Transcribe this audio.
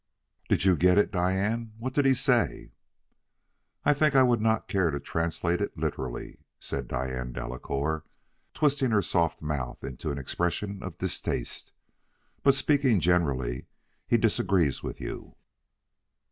"Did you get it, Diane? What did he say?" "I think I would not care to translate it literally," said Diane Delacouer, twisting her soft mouth into an expression of distaste; "but, speaking generally, he disagrees with you."